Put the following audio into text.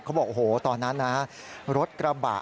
เขาบอกโอ้โหตอนนั้นนะรถกระบะ